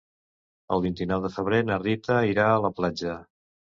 El vint-i-nou de febrer na Rita irà a la platja.